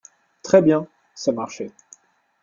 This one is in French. Très bien !… ça marchait…